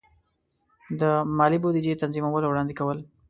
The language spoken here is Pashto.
د مالی بودیجې تنظیمول او وړاندې کول.